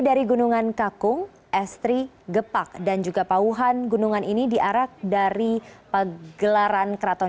dari gunungan kakung estri gepak dan juga pawuhan gunungan ini diarak dari pegelaran keraton